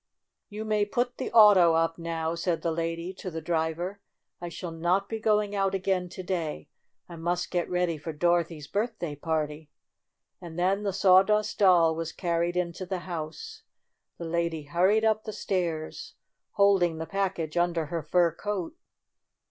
"You may put the auto up now," said the lady to the driver. "I shall not be go ing out again to day. I must get ready for Dorothy's birthday party." And then the Sawdust Doll was carried into the house. The lady hurried up the stairs, holding the package under her fur coat.